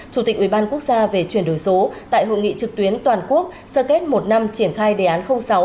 chủ tịch ủy ban quốc gia về chuyển đổi số tại hội nghị trực tuyến toàn quốc sơ kết một năm triển khai đề án sáu